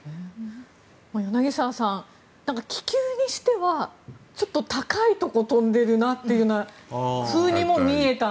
柳澤さん、気球にしてはちょっと高いところを飛んでいるなというふうにも見えたんですが。